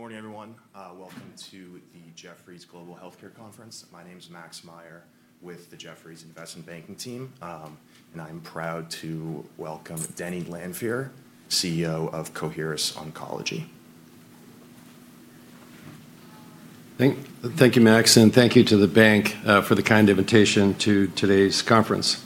Good morning, everyone. Welcome to the Jefferies Global Healthcare Conference. My name is Max Meier with the Jefferies investment banking team. I'm proud to welcome Denny Lanfear, CEO of Coherus Oncology. Thank you, Max, and thank you to Jefferies for the kind invitation to today's conference.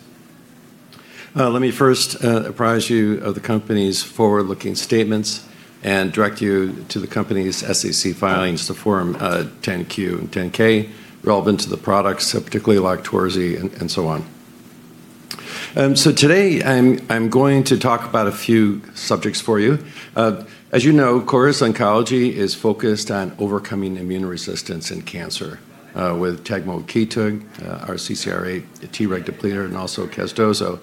Let me first apprise you of the company's forward-looking statements and direct you to the company's SEC filings to Form 10-Q and 10-K relevant to the products, particularly LOQTORZI and so on. Today, I'm going to talk about a few subjects for you. As you know, Coherus Oncology is focused on overcoming immune resistance in cancer with tagmokitug, our CCR8 Treg depleter, and also casdozokitug.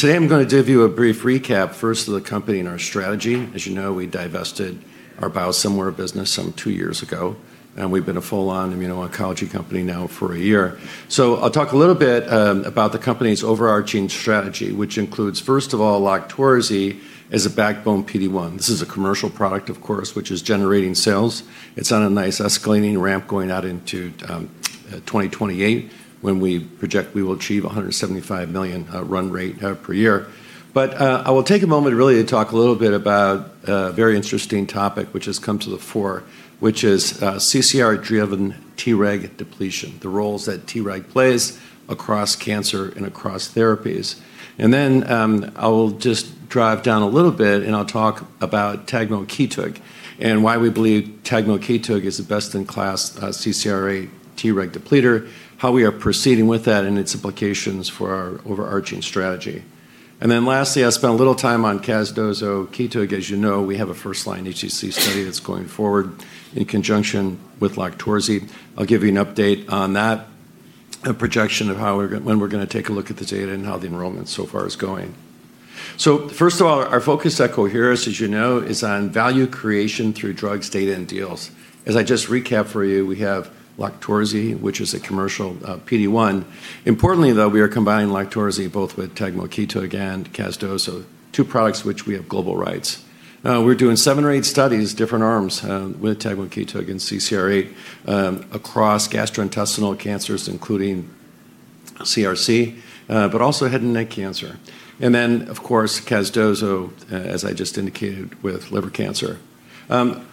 Today I'm going to give you a brief recap, first of the company and our strategy. As you know, we divested our biosimilar business some two years ago, and we've been a full-on immuno-oncology company now for a year. I'll talk a little bit about the company's overarching strategy, which includes, first of all, LOQTORZI as a backbone PD-1. This is a commercial product, of course, which is generating sales. It's on a nice escalating ramp going out into 2028, when we project we will achieve $175 million run rate per year. I will take a moment really to talk a little bit about a very interesting topic which has come to the fore, which is CCR8-driven Treg depletion, the roles that Treg plays across cancer and across therapies. I will just drive down a little bit and I'll talk about tagmokitug and why we believe tagmokitug is the best-in-class CCR8 Treg depleter, how we are proceeding with that and its implications for our overarching strategy. Lastly, I'll spend a little time on casdozokitug. As you know, we have a first-line HCC study that's going forward in conjunction with LOQTORZI. I'll give you an update on that, a projection of when we're going to take a look at the data and how the enrollment so far is going. First of all, our focus at Coherus, as you know, is on value creation through drugs, data, and deals. As I just recapped for you, we have LOQTORZI, which is a commercial PD-1. Importantly, though, we are combining LOQTORZI both with tagmokitug and casdozokitug, two products which we have global rights. We're doing seven or eight studies, different arms, with tagmokitug and CCR8 across gastrointestinal cancers, including CRC, but also head and neck cancer. Then, of course, casdozo, as I just indicated, with liver cancer.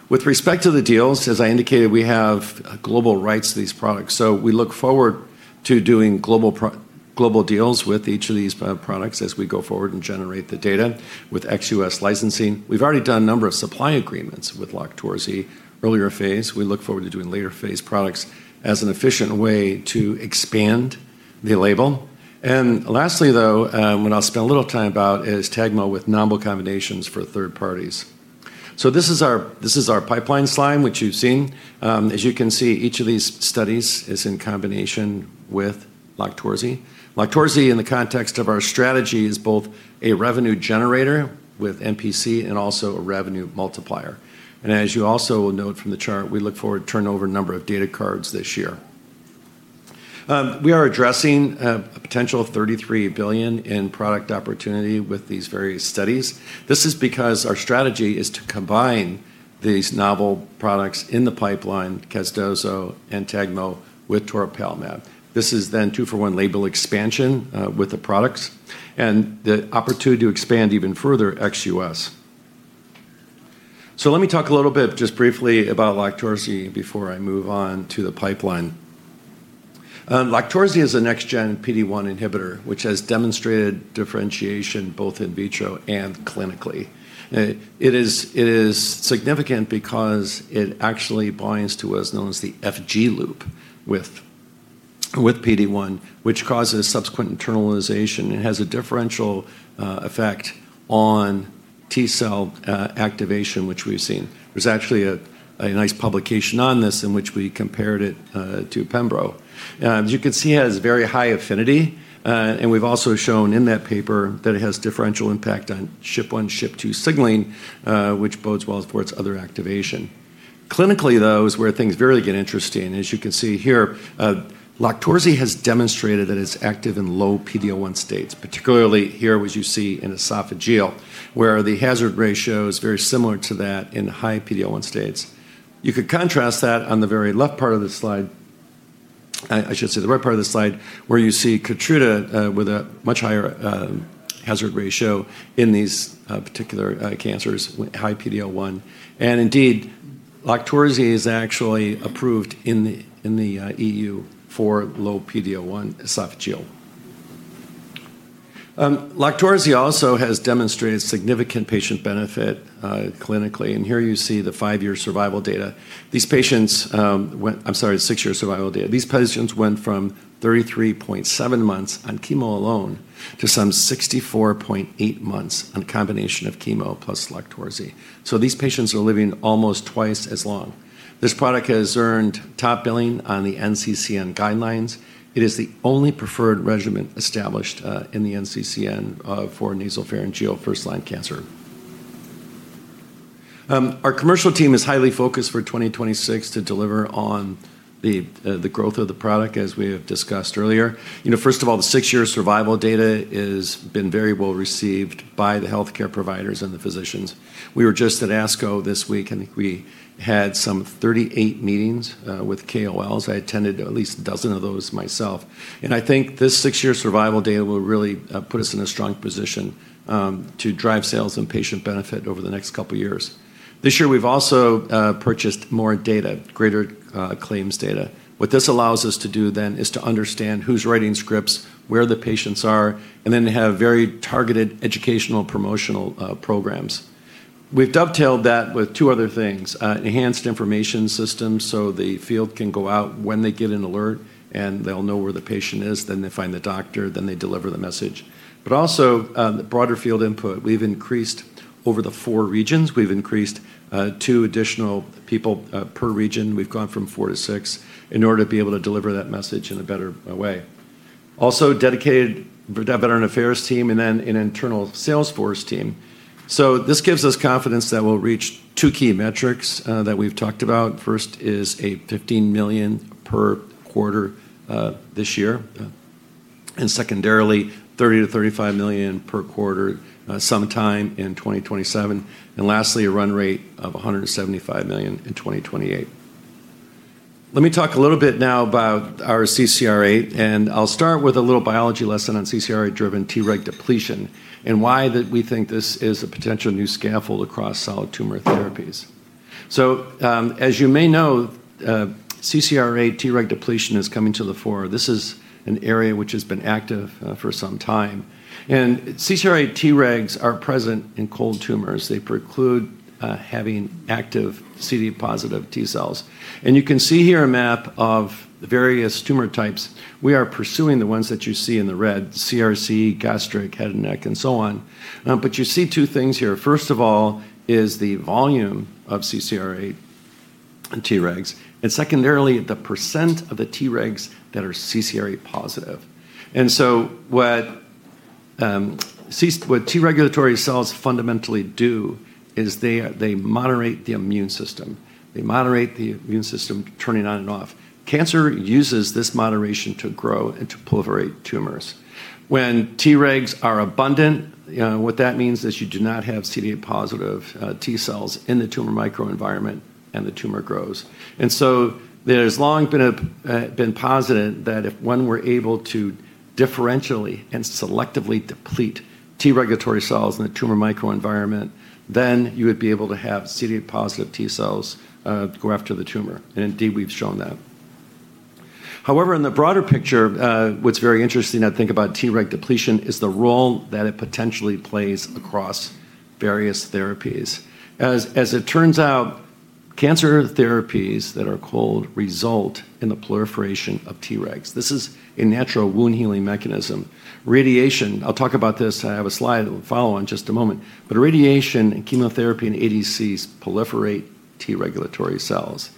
With respect to the deals, as I indicated, we have global rights to these products, so we look forward to doing global deals with each of these products as we go forward and generate the data with ex-U.S. licensing. We've already done a number of supply agreements with LOQTORZI earlier phase. We look forward to doing later phase products as an efficient way to expand the label. Lastly, though, what I'll spend a little time about is tagmokitug with novel combinations for third parties. This is our pipeline slide, which you've seen. As you can see, each of these studies is in combination with LOQTORZI. LOQTORZI, in the context of our strategy, is both a revenue generator with NPC and also a revenue multiplier. As you also will note from the chart, we look forward to turning over a number of data cards this year. We are addressing a potential of $33 billion in product opportunity with these various studies. This is because our strategy is to combine these novel products in the pipeline, casdozo and tagmo, with toripalimab. This is two-for-one label expansion with the products, and the opportunity to expand even further ex-U.S. Let me talk a little bit just briefly about LOQTORZI before I move on to the pipeline. LOQTORZI is a next-gen PD-1 inhibitor, which has demonstrated differentiation both in vitro and clinically. It is significant because it actually binds to what is known as the FG loop with PD-1, which causes subsequent internalization and has a differential effect on T cell activation, which we've seen. There's actually a nice publication on this in which we compared it to pembro. As you can see, it has very high affinity. We've also shown in that paper that it has differential impact on SHP-1, SHP-2 signaling, which bodes well for its other activation. Clinically, though, is where things really get interesting. As you can see here, LOQTORZI has demonstrated that it's active in low PD-L1 states, particularly here, as you see in esophageal, where the hazard ratio is very similar to that in high PD-L1 states. You could contrast that on the very right part of the slide, where you see KEYTRUDA with a much higher hazard ratio in these particular cancers with high PD-L1. Indeed, LOQTORZI is actually approved in the EU for low PD-L1 esophageal. LOQTORZI also has demonstrated significant patient benefit clinically. Here you see the six-year survival data. These patients went from 33.7 months on chemo alone to some 64.8 months on a combination of chemo plus LOQTORZI. These patients are living almost twice as long. This product has earned top billing on the NCCN guidelines. It is the only preferred regimen established in the NCCN for nasopharyngeal first-line cancer. Our commercial team is highly focused for 2026 to deliver on the growth of the product, as we have discussed earlier. First of all, the six-year survival data has been very well received by the healthcare providers and the physicians. We were just at ASCO this week, and I think we had some 38 meetings with KOLs. I attended at least a dozen of those myself. I think this six-year survival data will really put us in a strong position to drive sales and patient benefit over the next couple of years. This year, we've also purchased more data, greater claims data. What this allows us to do then is to understand who's writing scripts, where the patients are, and then have very targeted educational promotional programs. We've dovetailed that with two other things. Enhanced information systems, so the field can go out when they get an alert, and they'll know where the patient is. They find the doctor, then they deliver the message. Also, broader field input. We've increased over the four regions. We've increased two additional people per region. We've gone from four to six in order to be able to deliver that message in a better way. Also, dedicated veteran affairs team and then an internal salesforce team. This gives us confidence that we'll reach two key metrics that we've talked about. First is a $15 million per quarter this year, and secondarily, $30 million-$35 million per quarter sometime in 2027. Lastly, a run rate of $175 million in 2028. Let me talk a little bit now about our CCR8, and I'll start with a little biology lesson on CCR8-driven Treg depletion and why we think this is a potential new scaffold across solid tumor therapies. As you may know, CCR8 Treg depletion is coming to the fore. This is an area which has been active for some time. CCR8 Tregs are present in cold tumors. They preclude having active CD8+ T cells. You can see here a map of the various tumor types. We are pursuing the ones that you see in the red, CRC, gastric, head and neck, and so on. You see two things here. First of all is the volume of CCR8 Tregs, and secondarily, the percent of the Tregs that are CCR8+. What T regulatory cells fundamentally do is they moderate the immune system. They moderate the immune system turning on and off. Cancer uses this moderation to grow and to proliferate tumors. When Tregs are abundant, what that means is you do not have CD8+ T cells in the tumor microenvironment, and the tumor grows. There's long been posited that if one were able to differentially and selectively deplete T regulatory cells in the tumor microenvironment, then you would be able to have CD8+ T cells go after the tumor. Indeed, we've shown that. However, in the broader picture, what's very interesting, I think, about Treg depletion is the role that it potentially plays across various therapies. As it turns out, cancer therapies that are cold result in the proliferation of Tregs. This is a natural wound-healing mechanism. Radiation, I'll talk about this, I have a slide that will follow in just a moment, but radiation and chemotherapy and ADCs proliferate T regulatory cells.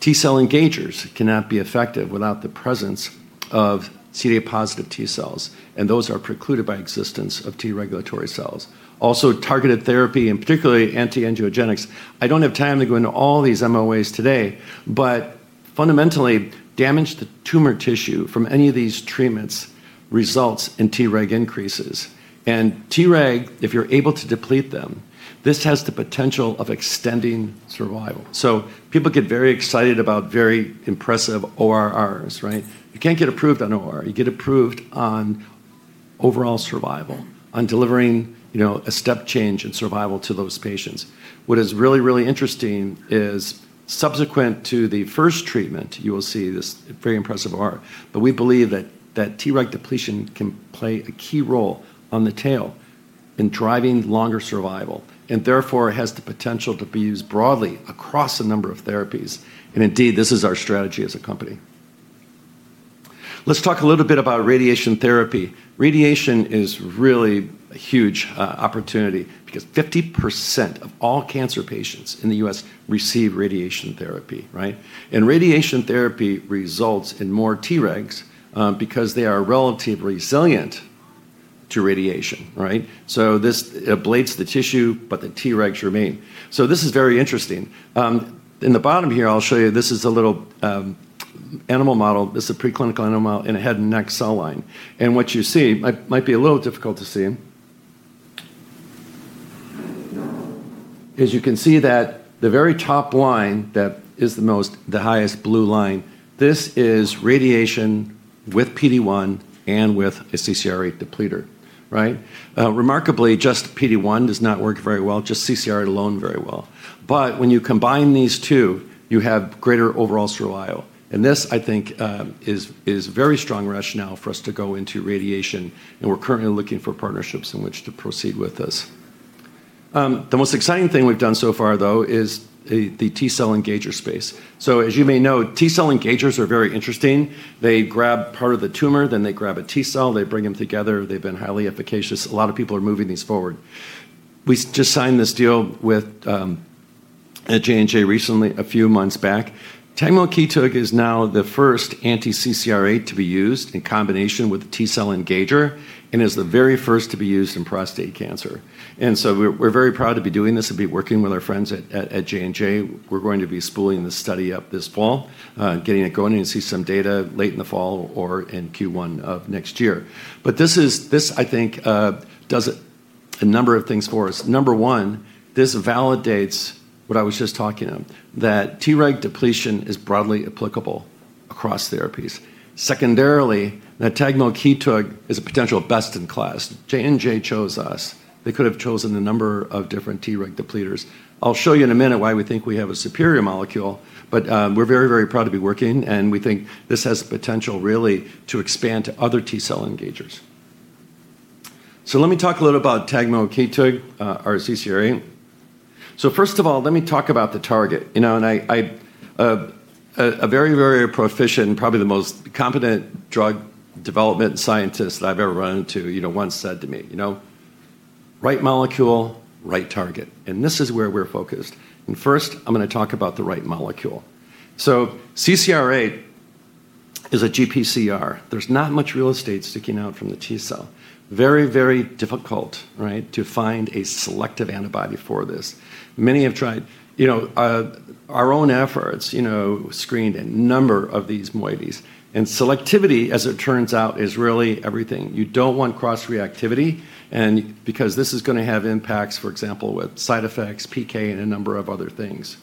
T-cell engagers cannot be effective without the presence of CD8+ T cells, and those are precluded by existence of T regulatory cells. Targeted therapy, and particularly anti-angiogenics. I don't have time to go into all these MOAs today, but fundamentally, damage to tumor tissue from any of these treatments results in Treg increases. Treg, if you're able to deplete them, this has the potential of extending survival. People get very excited about very impressive ORRs, right? You can't get approved on ORR. You get approved on overall survival, on delivering a step change in survival to those patients. What is really, really interesting is subsequent to the first treatment, you will see this very impressive ORR. We believe that Treg depletion can play a key role on the tail in driving longer survival, and therefore has the potential to be used broadly across a number of therapies. Indeed, this is our strategy as a company. Let's talk a little bit about radiation therapy. Radiation is really a huge opportunity because 50% of all cancer patients in the U.S. receive radiation therapy, right? Radiation therapy results in more Tregs because they are relatively resilient to radiation, right? This ablates the tissue, but the Tregs remain. This is very interesting. In the bottom here, I'll show you, this is a little animal model. What you see, might be a little difficult to see, is you can see that the very top line that is the highest blue line, this is radiation with PD-1 and with a CCR8 depleter, right? Remarkably, just PD-1 does not work very well, just CCR8 alone very well. When you combine these two, you have greater overall survival. This, I think, is very strong rationale for us to go into radiation, and we're currently looking for partnerships in which to proceed with this. The most exciting thing we've done so far, though, is the T cell engager space. As you may know, T cell engagers are very interesting. They grab part of the tumor, then they grab a T cell, they bring them together. They've been highly efficacious. A lot of people are moving these forward. We just signed this deal with J&J recently, a few months back. Tagmokitug is now the first anti-CCR8 to be used in combination with the T-cell engager and is the very first to be used in prostate cancer. We're very proud to be doing this and be working with our friends at J&J. We're going to be spooling the study up this fall, getting it going, and see some data late in the fall or in Q1 of next year. This, I think, does a number of things for us. Number one, this validates what I was just talking of, that Treg depletion is broadly applicable across therapies. Secondarily, that tagmokitug is a potential best in class. J&J chose us. They could have chosen a number of different Treg depleters. I'll show you in a minute why we think we have a superior molecule, but we're very proud to be working, and we think this has potential, really, to expand to other T cell engagers. Let me talk a little about tagmokitug, our CCR8. First of all, let me talk about the target. A very proficient, probably the most competent drug development scientist that I've ever run into, once said to me, "Right molecule, right target." This is where we're focused. First, I'm going to talk about the right molecule. CCR8 is a GPCR. There's not much real estate sticking out from the T cell. Very difficult to find a selective antibody for this. Many have tried. Our own efforts screened a number of these moieties. Selectivity, as it turns out, is really everything. You don't want cross-reactivity because this is going to have impacts, for example, with side effects, PK, and a number of other things.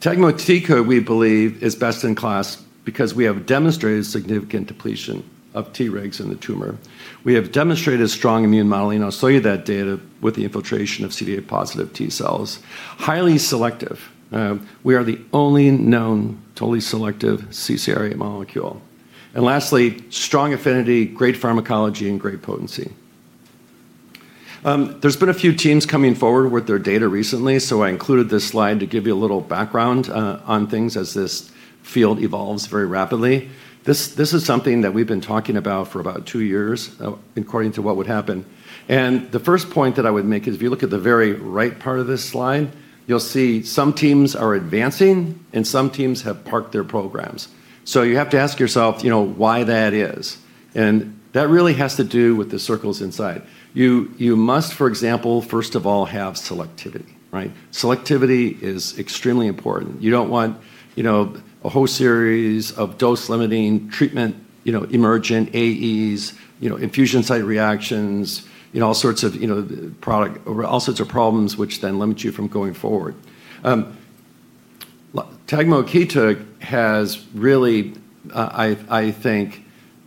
tagmokitug, we believe, is best in class because we have demonstrated significant depletion of Tregs in the tumor. We have demonstrated strong immune modeling. I'll show you that data with the infiltration of CD8+ T cells. Highly selective. We are the only known totally selective CCR8 molecule. Lastly, strong affinity, great pharmacology, and great potency. There's been a few teams coming forward with their data recently. I included this slide to give you a little background on things as this field evolves very rapidly. This is something that we've been talking about for about two years, according to what would happen. The first point that I would make is if you look at the very right part of this slide, you'll see some teams are advancing and some teams have parked their programs. You have to ask yourself why that is. That really has to do with the circles inside. You must, for example, first of all, have selectivity. Selectivity is extremely important. You don't want a whole series of dose-limiting treatment-emergent AEs, infusion site reactions, all sorts of problems which then limit you from going forward. tagmokitug has really, I think,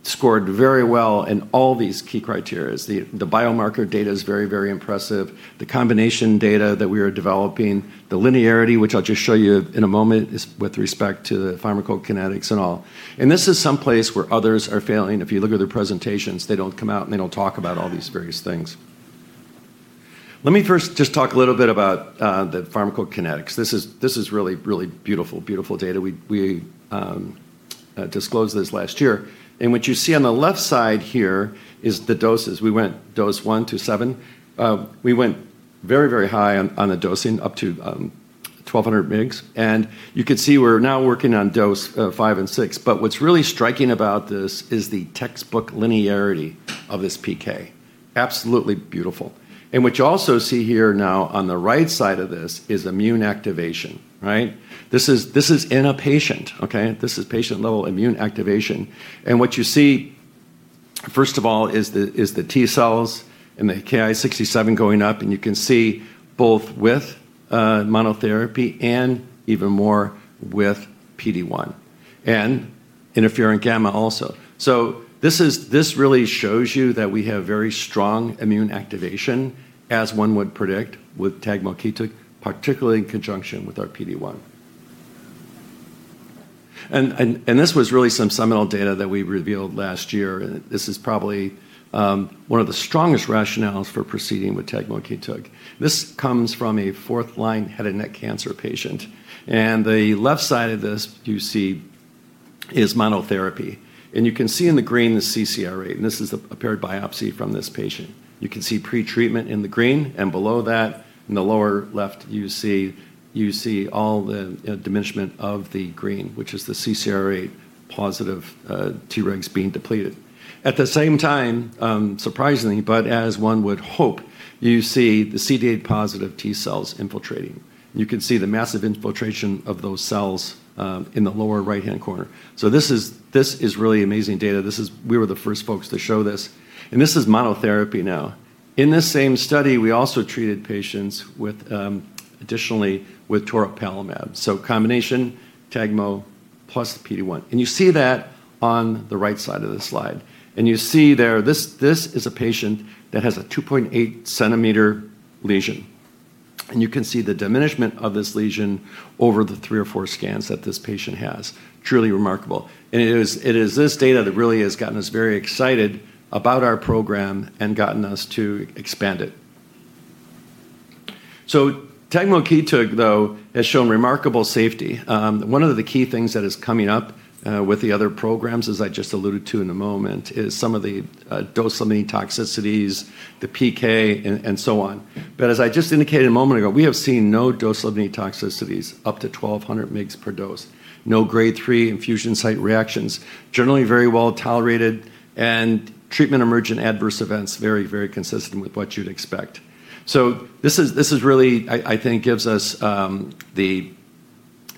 scored very well in all these key criteria. The biomarker data is very impressive. The combination data that we are developing, the linearity, which I'll just show you in a moment, is with respect to the pharmacokinetics and all. This is someplace where others are failing. If you look at their presentations, they don't come out and they don't talk about all these various things. Let me first just talk a little bit about the pharmacokinetics. This is really beautiful data. We disclosed this last year. What you see on the left side here is the doses. We went dose one to seven. We went very high on the dosing, up to 1,200 mgs. You can see we're now working on dose five and six. What's really striking about this is the textbook linearity of this PK. Absolutely beautiful. What you also see here now on the right side of this is immune activation. This is in a patient. This is patient-level immune activation. What you see, first of all, is the T cells and the Ki-67 going up, and you can see both with monotherapy and even more with PD-1. Interferon gamma also. This really shows you that we have very strong immune activation, as one would predict with tagmokitug, particularly in conjunction with our PD-1. This was really some seminal data that we revealed last year, and this is probably one of the strongest rationales for proceeding with tagmokitug. This comes from a fourth-line head and neck cancer patient. The left side of this you see is monotherapy. You can see in the green the CCR8, and this is a paired biopsy from this patient. You can see pretreatment in the green, and below that, in the lower left, you see all the diminishment of the green, which is the CCR8+ Tregs being depleted. At the same time, surprisingly, but as one would hope, you see the CD8+ T cells infiltrating. You can see the massive infiltration of those cells in the lower right-hand corner. This is really amazing data. We were the first folks to show this. This is monotherapy now. In this same study, we also treated patients additionally with toripalimab. Combination tagmo plus the PD-1. You see that on the right side of the slide. You see there, this is a patient that has a 2.8 cm lesion. You can see the diminishment of this lesion over the three or four scans that this patient has. Truly remarkable. It is this data that really has gotten us very excited about our program and gotten us to expand it. tagmokitug, though, has shown remarkable safety. One of the key things that is coming up with the other programs, as I just alluded to in a moment, is some of the dose-limiting toxicities, the PK, and so on. As I just indicated a moment ago, we have seen no dose-limiting toxicities up to 1,200 mgs per dose. No Grade 3 infusion site reactions. Generally very well-tolerated, and treatment emergent adverse events very consistent with what you'd expect. This really, I think, gives us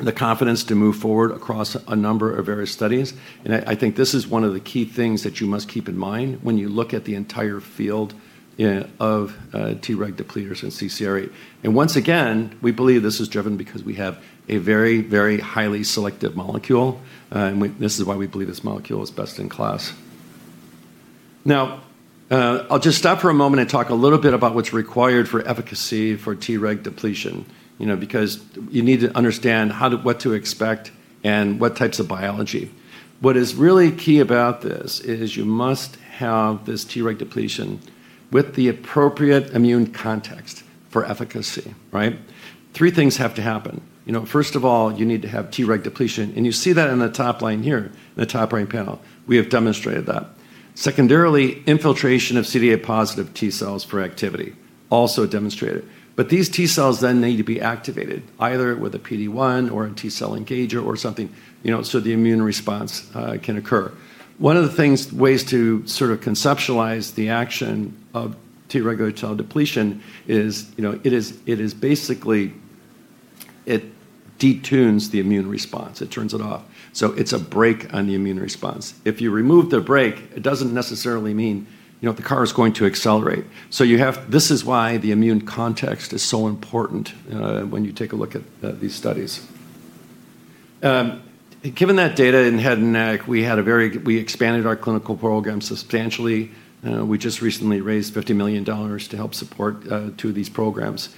the confidence to move forward across a number of various studies. I think this is one of the key things that you must keep in mind when you look at the entire field of Treg depleters in CCR8. Once again, we believe this is driven because we have a very, very highly selective molecule, and this is why we believe this molecule is best in class. I'll just stop for a moment and talk a little bit about what's required for efficacy for Treg depletion. You need to understand what to expect and what types of biology. What is really key about this is you must have this Treg depletion with the appropriate immune context for efficacy. Right? Three things have to happen. First of all, you need to have Treg depletion, and you see that in the top line here, in the top right panel. We have demonstrated that. Secondarily, infiltration of CD8+ T cells for activity, also demonstrated. These T cells then need to be activated, either with a PD-1 or a T-cell engager or something, so the immune response can occur. One of the ways to conceptualize the action of T regulatory cell depletion is, basically, it detunes the immune response. It turns it off. It's a brake on the immune response. If you remove the brake, it doesn't necessarily mean the car is going to accelerate. This is why the immune context is so important when you take a look at these studies. Given that data in head and neck, we expanded our clinical program substantially. We just recently raised $50 million to help support two of these programs.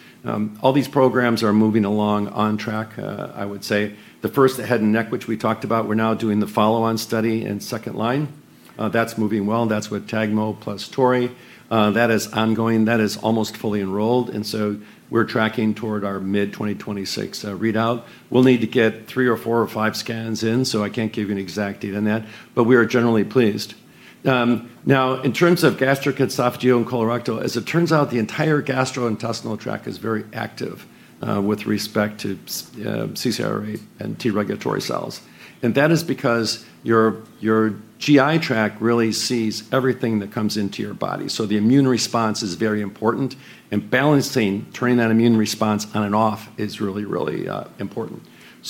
All these programs are moving along on track, I would say. The first, the head and neck, which we talked about, we're now doing the follow-on study in second line. That's moving well. That's with tagmo plus tori. That is ongoing. That is almost fully enrolled, we're tracking toward our mid-2026 readout. We'll need to get three or four or five scans in, I can't give you an exact date on that, but we are generally pleased. In terms of gastric, esophageal, and colorectal, as it turns out, the entire gastrointestinal tract is very active with respect to CCR8 and T regulatory cells. That is because your GI tract really sees everything that comes into your body, the immune response is very important. Balancing turning that immune response on and off is really important.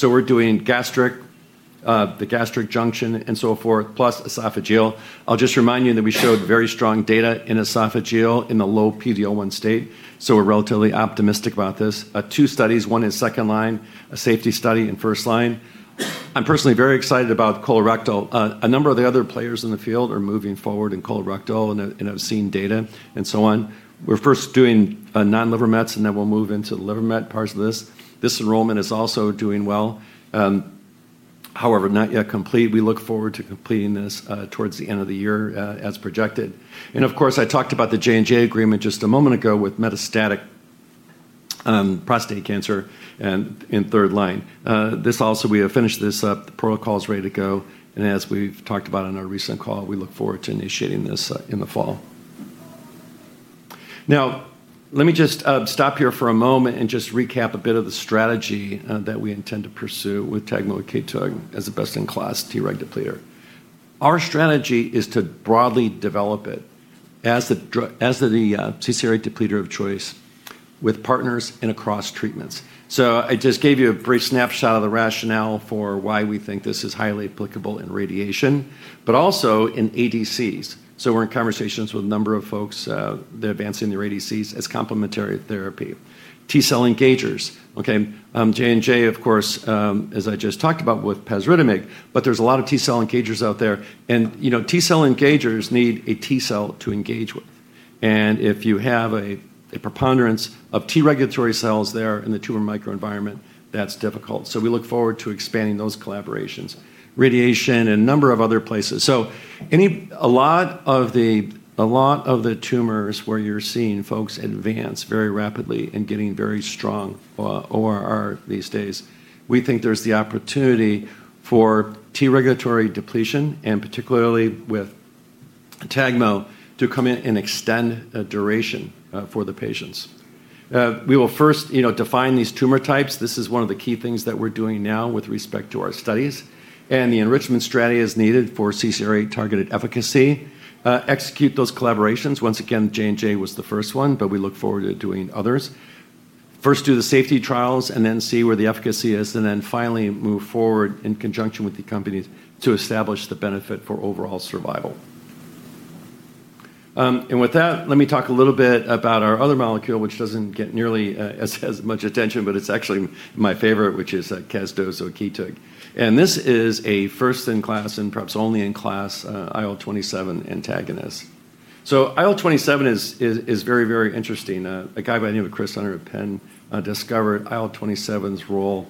We're doing the gastric junction and so forth, plus esophageal. I'll just remind you that we showed very strong data in esophageal in the low PD-L1 state, we're relatively optimistic about this. Two studies, one in second line, a safety study in first line. I'm personally very excited about colorectal. A number of the other players in the field are moving forward in colorectal and have seen data and so on. We're first doing non-liver mets, then we'll move into the liver met parts of this. This enrollment is also doing well, not yet complete. We look forward to completing this towards the end of the year as projected. Of course, I talked about the J&J agreement just a moment ago with metastatic prostate cancer in 3rd line. This also, we have finished this up. The protocol's ready to go, and as we've talked about on our recent call, we look forward to initiating this in the fall. Let me just stop here for a moment and just recap a bit of the strategy that we intend to pursue with tagmokitug as the best in class Treg depleter. Our strategy is to broadly develop it as the CCR8 depleter of choice with partners and across treatments. I just gave you a brief snapshot of the rationale for why we think this is highly applicable in radiation, but also in ADCs. We're in conversations with a number of folks that are advancing their ADCs as complementary therapy. T cell engagers. Okay. J&J, of course, as I just talked about with pasritamig, but there's a lot of T cell engagers out there, and T cell engagers need a T cell to engage with. If you have a preponderance of regulatory T cells there in the tumor microenvironment, that's difficult. We look forward to expanding those collaborations, radiation and a number of other places. A lot of the tumors where you're seeing folks advance very rapidly and getting very strong ORR these days, we think there's the opportunity for regulatory T cell depletion, and particularly with tagmokitug to come in and extend a duration for the patients. We will first define these tumor types. This is one of the key things that we're doing now with respect to our studies and the enrichment strategies needed for CCR8 targeted efficacy. Execute those collaborations. Once again, J&J was the first one. We look forward to doing others. First do the safety trials. Then see where the efficacy is. Then finally move forward in conjunction with the companies to establish the benefit for overall survival. With that, let me talk a little bit about our other molecule, which doesn't get nearly as much attention. It's actually my favorite, which is casdozokitug. This is a first in class and perhaps only in class IL-27 antagonist. IL-27 is very interesting. A guy by the name of Chris Hunter at Penn discovered IL-27's role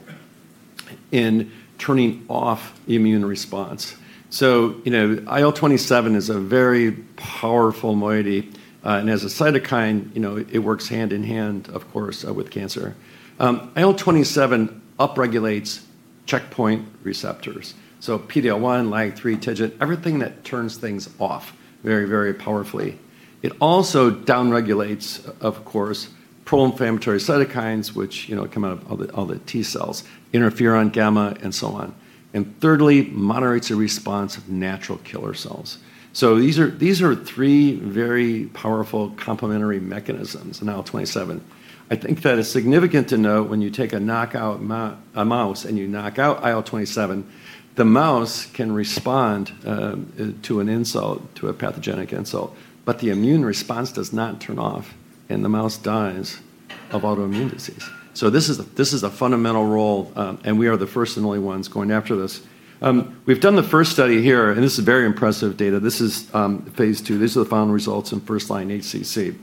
in turning off the immune response. IL-27 is a very powerful moiety, and as a cytokine, it works hand in hand, of course, with cancer. IL-27 upregulates checkpoint receptors. PD-L1, LAG-3, TIGIT, everything that turns things off very, very powerfully. It also downregulates, of course, pro-inflammatory cytokines, which come out of all the T cells, interferon gamma and so on. Thirdly, moderates a response of natural killer cells. These are three very powerful complementary mechanisms in IL-27. I think that it's significant to note when you take a mouse and you knock out IL-27, the mouse can respond to a pathogenic insult, but the immune response does not turn off, and the mouse dies of autoimmune disease. This is a fundamental role, and we are the first and only ones going after this. We've done the first study here, and this is very impressive data. This is phase II. These are the final results in first-line HCC.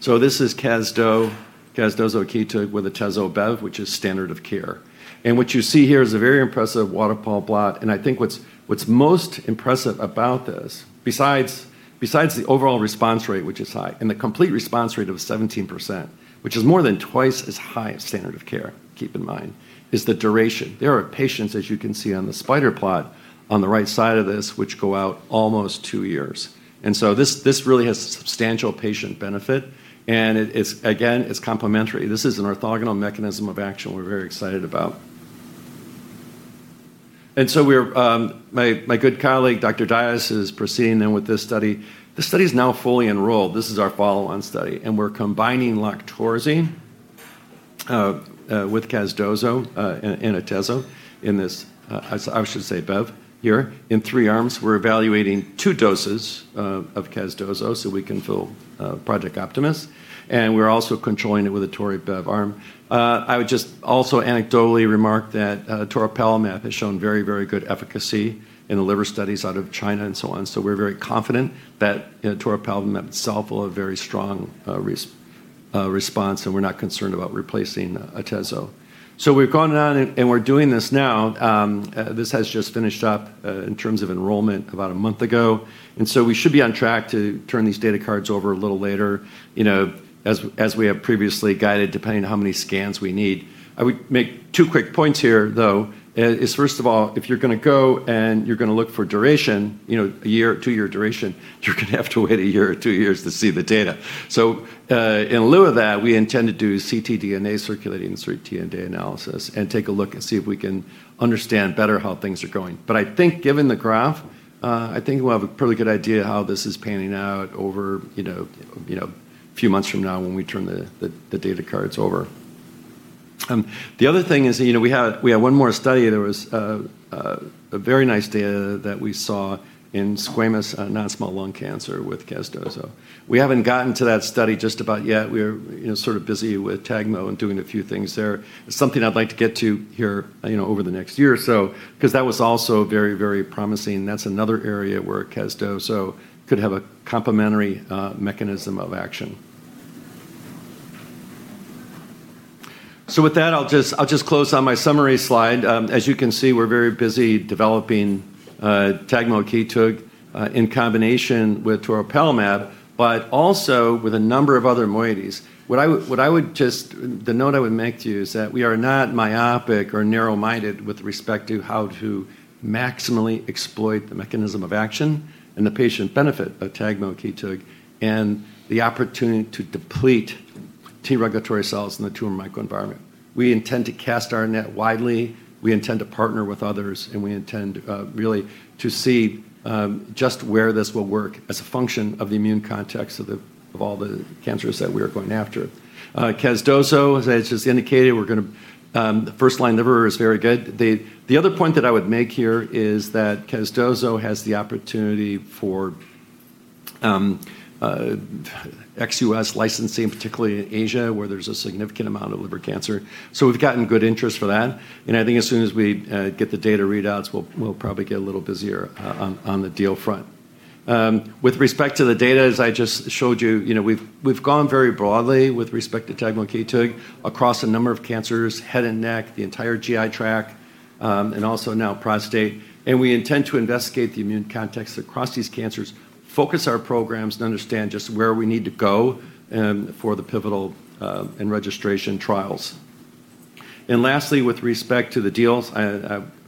This is casdo, casdozokitug with atezo and bev, which is standard of care. What you see here is a very impressive waterfall plot. I think what's most impressive about this, besides the overall response rate, which is high, and the complete response rate of 17%, which is more than twice as high as standard of care, keep in mind, is the duration. There are patients, as you can see on the spider plot, on the right side of this, which go out almost two years. This really has substantial patient benefit, and again, it's complementary. This is an orthogonal mechanism of action we're very excited about. My good colleague, Dr. Dias, is proceeding then with this study. The study is now fully enrolled. This is our follow-on study. We're combining LOQTORZI with casdozokitug and atezolizumab in this, I should say, bevacizumab here, in three arms. We're evaluating two doses of casdozokitug so we can fill Project Optimus. We're also controlling it with a tori and bev arm. I would just also anecdotally remark that toripalimab has shown very, very good efficacy in the liver studies out of China and so on. We're very confident that toripalimab itself will have very strong response. We're not concerned about replacing atezo. We've gone on. We're doing this now. This has just finished up in terms of enrollment about a month ago. We should be on track to turn these data cards over a little later as we have previously guided, depending on how many scans we need. I would make two quick points here, though, is first of all, if you're going to go and you're going to look for duration, a one-year or two-year duration, you're going to have to wait a one year or two years to see the data. In lieu of that, we intend to do ctDNA circulating ctDNA analysis, and take a look and see if we can understand better how things are going. I think given the graph, I think we'll have a pretty good idea how this is panning out over a few months from now when we turn the data cards over. The other thing is we have one more study. There was very nice data that we saw in squamous non-small cell lung cancer with casdozo. We haven't gotten to that study just about yet. We're sort of busy with tagmo and doing a few things there. It's something I'd like to get to here over the next year or so because that was also very, very promising. That's another area where casdozokitug could have a complementary mechanism of action. With that, I'll just close on my summary slide. As you can see, we're very busy developing tagmokitug in combination with toripalimab, but also with a number of other moieties. The note I would make to you is that we are not myopic or narrow-minded with respect to how to maximally exploit the mechanism of action and the patient benefit of tagmokitug and the opportunity to deplete T regulatory cells in the tumor microenvironment. We intend to cast our net widely. We intend to partner with others, and we intend really to see just where this will work as a function of the immune context of all the cancers that we are going after. Casdozo, as I just indicated, the first-line liver is very good. The other point that I would make here is that casdozo has the opportunity for, ex-U.S. licensing, particularly in Asia, where there's a significant amount of liver cancer. We've gotten good interest for that, and I think as soon as we get the data readouts, we'll probably get a little busier on the deal front. With respect to the data, as I just showed you, we've gone very broadly with respect to tagmokitug across a number of cancers, head and neck, the entire GI tract, and also now prostate. We intend to investigate the immune context across these cancers, focus our programs, and understand just where we need to go for the pivotal and registration trials. Lastly, with respect to the deals,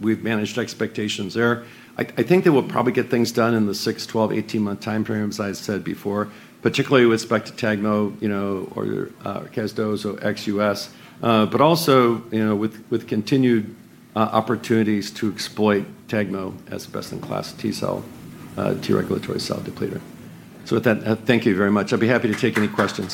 we've managed expectations there. I think that we'll probably get things done in the six, 12, 18-month time frames, as I said before, particularly with respect to tagmo, or casdozo ex-U.S., but also with continued opportunities to exploit tagmo as best-in-class T regulatory cell depleter. With that, thank you very much. I'll be happy to take any questions